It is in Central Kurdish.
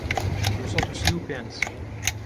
دوو سەد و سی و پێنج